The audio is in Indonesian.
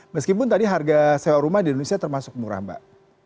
meskipun tadi harga sewa rumah di indonesia termasuk murah mbak